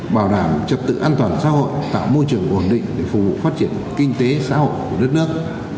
bảo đảm trật tự an toàn xã hội tạo môi trường ổn định để phục vụ phát triển kinh tế xã hội của đất nước